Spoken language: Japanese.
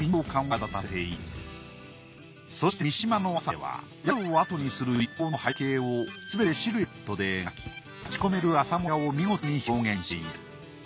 そして三島の朝では宿をあとにする一行の背景をすべてシルエットで描き立ちこめる朝もやを見事に表現している。